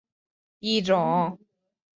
潜水球是一种内部有加压的。